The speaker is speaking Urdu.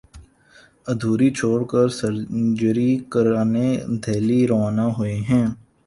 ادھوری چھوڑ کر سرجری کرانے دہلی روانہ ہوئے ہیں